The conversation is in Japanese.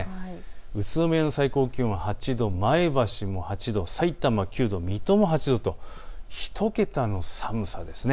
宇都宮の最高気温８度、前橋も８度、さいたま９度、水戸も８度と１桁の寒さです。